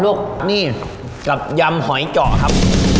ลูกนี่กับยำหอยเจาะครับ